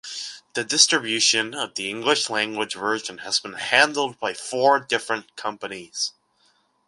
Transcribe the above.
The distribution of the English-language version has been handled by four different companies.